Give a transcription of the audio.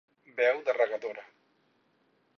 Veu de regadora.